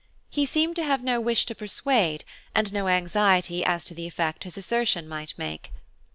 He seemed to have no wish to persuade, and no anxiety as to the effect his assertion might make.